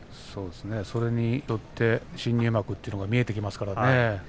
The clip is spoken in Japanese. それによって新入幕が見えてきますからね。